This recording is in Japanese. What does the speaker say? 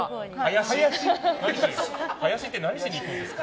林って何しに行くんですか？